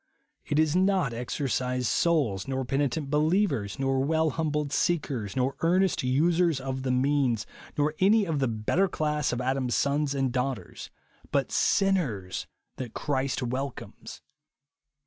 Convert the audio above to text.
It is not "exercised souls," nor " penitent believers," nor well liinnbled " seekers," nor earnest "users of the means/' nor any of the better class of Adam's sons and daughters ;— but SINNERS, that Christ welcomes.